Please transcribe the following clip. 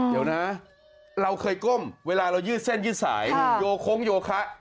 เดี๋ยวนะเราเคยก้มเวลาเรายืดเส้นยืดสายโยโค้งโยคะ